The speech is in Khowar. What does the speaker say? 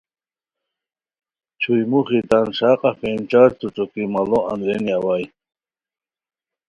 چھوئے موخی تان ݰا قافین چارتو ݯوکی ماڑو اندرینی اوائے